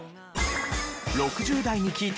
６０代に聞いた！